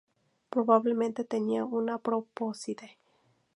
Probablemente tenían una probóscide.